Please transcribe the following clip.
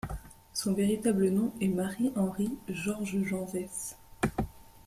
Son véritable nom est Marie Henri Georges Jean Vaysse.